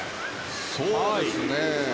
そうですね。